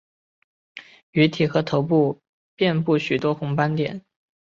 鱼体和头部遍布许多红斑点。